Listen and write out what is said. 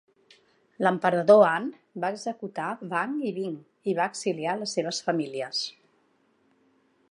L"emperador An va executar Wang i Bing i va exiliar les seves famílies.